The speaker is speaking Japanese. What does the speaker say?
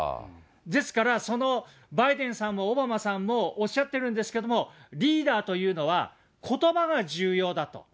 ですから、バイデンさんもオバマさんもおっしゃってるんですけども、リーダーというのはことばが重要だと。